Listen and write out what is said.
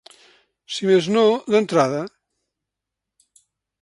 Si més no, d’entrada.